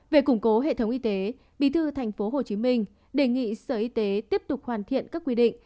về củng cố hệ thống y tế bí thư tp hcm đề nghị sở y tế tiếp tục hoàn thiện các quy định